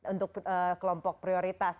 untuk kelompok prioritas